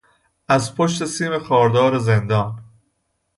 از پشت سیم خاردار زندان